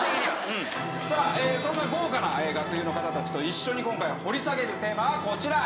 さあそんな豪華な学友の方たちと一緒に今回掘り下げるテーマはこちら！